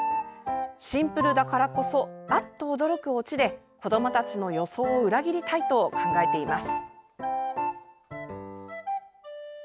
シンプルだからこそあっと驚くオチで子どもたちの予想を裏切りたいと考えています。